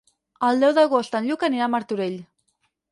El deu d'agost en Lluc anirà a Martorell.